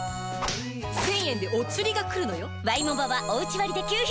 １０００円でお釣りがくるのよ！